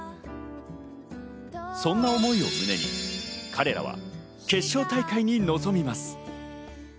そんな思いを胸に彼らは決勝大会に臨みます。